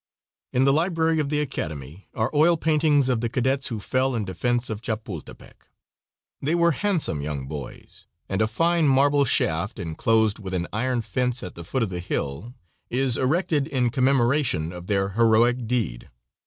In the library of the academy are oil paintings of the cadets who fell in defense of Chapultepec. They were handsome young boys, and a fine marble shaft, inclosed with an iron fence at the foot of the hill, is erected in commemoration of their heroic deed.